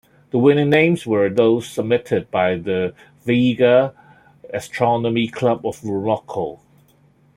The winning names were those submitted by the Vega Astronomy Club of Morocco.